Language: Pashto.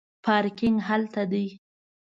پارکینګ هلته دی